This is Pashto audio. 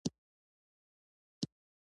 ساقي وویل ټول پنځه دېرش کیلومتره واټن لري.